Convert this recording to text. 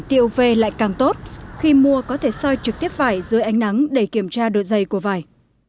tiêu về lại càng tốt khi mua có thể soi trực tiếp vải dưới ánh nắng để kiểm tra độ dày của vải